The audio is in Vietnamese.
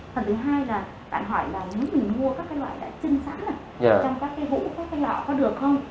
phần thứ hai là bạn hỏi là nếu mình mua các loại đã chưng sẵn trong các cái hũ các cái lọ có được không